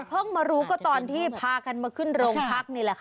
เพิ่งมารู้ก็ตอนที่พากันมาขึ้นโรงพักนี่แหละค่ะ